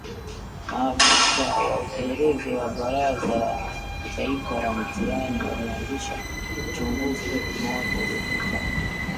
Maafisa wa upelelezi wa Baraza la Kitaifa la Mitihani walianzisha uchunguzi wiki moja iliyopita